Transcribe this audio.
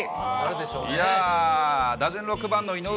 いやー、打順６番の井上